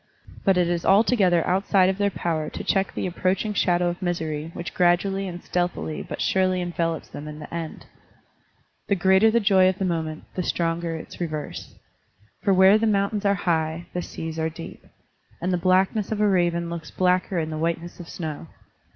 But it is altogether outside of their power to check the approaching shadow of misery which gradually and stealthily but surely envelops them in the end. The greater the joy of the moment, the stronger its reverse. For where the mountains are high, the seas are deep ; and the blackness of a raven looks blacker in the whiteness of snow.